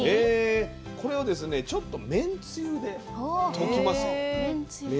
これをですねちょっとめんつゆで溶きます。